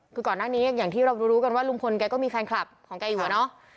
คือก่อนหน้านี้อย่างที่เรารู้กันว่าลุงพลแกก็มีแฟนคลับของแกอยู่อะเนาะ